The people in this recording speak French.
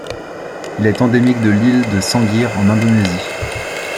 Il est endémique de l'île de Sangir en Indonésie.